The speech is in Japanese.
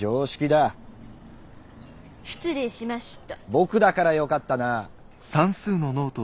僕だから良かったな。